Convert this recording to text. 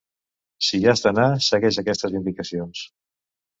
Si hi has d'anar, segueix aquestes indicacions.